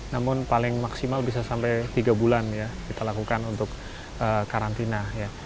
namun paling maksimal bisa sampai tiga bulan ya kita lakukan untuk karantina